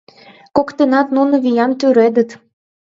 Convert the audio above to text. Коктынат нуно виян тӱредыт.